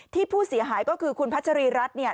ผู้เสียหายก็คือคุณพัชรีรัฐเนี่ย